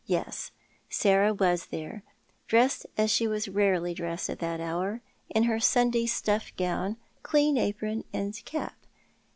Yes, Sarah was there, dressed as she was rarely dressed at that hour, in her Sunday stuff gown, clean apron, and cap.